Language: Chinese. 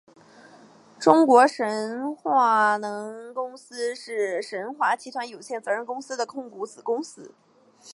中国神华能源股份有限公司是神华集团有限责任公司的控股子公司。